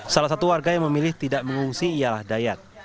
salah satu warga yang memilih tidak mengungsi ialah dayat